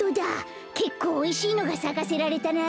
けっこうおいしいのがさかせられたな。